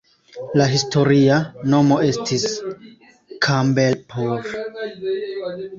La historia nomo estis "Campbellpur".